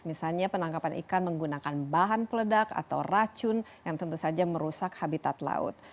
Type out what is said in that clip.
misalnya penangkapan ikan menggunakan bahan peledak atau racun yang tentu saja merusak habitat laut